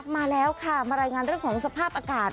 มาแล้วค่ะมารายงานเรื่องของสภาพอากาศ